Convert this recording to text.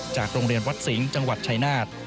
จากโรงเรียนวัดสิงห์จังหวัดชายนาฏ